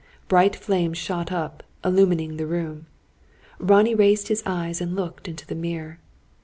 Bright flames shot up, illumining the room. Ronnie raised his eyes and looked into the mirror.